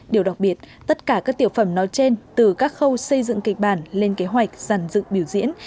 điều đặc biệt tất cả các tiểu phẩm nói trên từ các khâu xây dựng kịch bản lên kế hoạch giàn dựng biểu diễn